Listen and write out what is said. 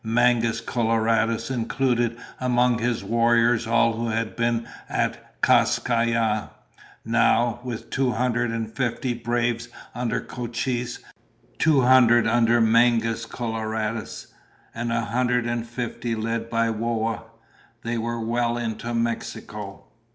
Mangus Coloradus included among his warriors all who had been at Kas Kai Ya. Now, with two hundred and fifty braves under Cochise, two hundred under Mangus Coloradus, and a hundred and fifty led by Whoa, they were well into Mexico.